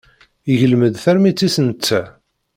Iglem-d tarmit-is netta.